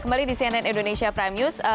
kembali di cnn indonesia prime news